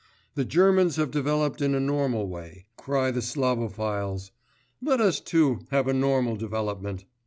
"The Germans have developed in a normal way," cry the Slavophils, "let us too have a normal development!"